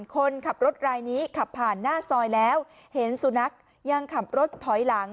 คนขับรถรายนี้ขับผ่านหน้าซอยแล้วเห็นสุนัขยังขับรถถอยหลัง